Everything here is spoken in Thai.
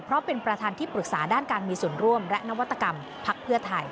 เพราะเป็นประธานที่ปรึกษาด้านการมีส่วนร่วมและนวัตกรรมพักเพื่อไทย